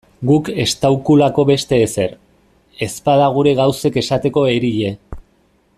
Guk estaukulako beste ezer, ezpada gure gauzek esateko erie.